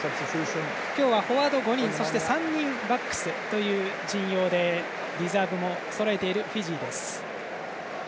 今日はフォワード５人３人バックスという陣容でリザーブもそろえているフィジーです。